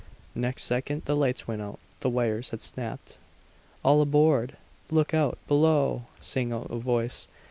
Next second the lights went out; the wires had snapped. "All aboard; look out, below!" sang out a voice.